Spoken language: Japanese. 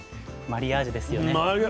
マリアージュですよね。